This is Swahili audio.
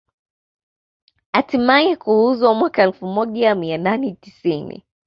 Hatimaye kuuzwa mwaka elfu moja mia nane tisini